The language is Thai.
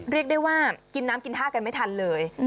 เรียกได้ว่ากินน้ำกินท่ากันไม่ทันเลย